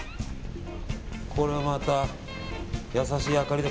これまた優しい明かりで。